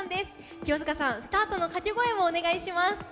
清塚さん、スタートの掛け声お願いします！